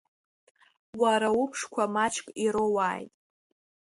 Уара умшқәа маҷк ироуааит…